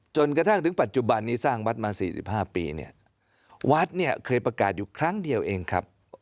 จนกระทั่งถึงปัจจุบันนี้สร้างวัดมา๔๕ปีเนี่ยวัดเนี่ยเคยประกาศอยู่ครั้งเดียวเองครับ